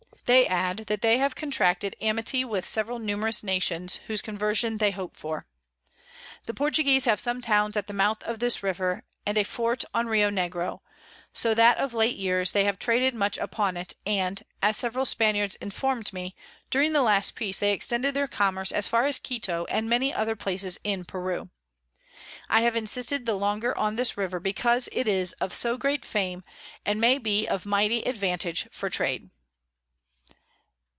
They add, that they have contracted Amity with several numerous Nations, whose Conversion they hope for. The Portuguese have some Towns at the Mouth of this River, and a Fort on Rio Negro; so that of late years they have traded much upon it, and, as several Spaniards inform'd me, during the last Peace they extended their Commerce as far as Quito and many other Places in Peru. I have insisted the longer on this River, because it is of so great Fame, and may be of mighty Advantage for Trade.